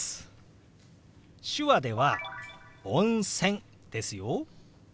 手話では「温泉」ですよ。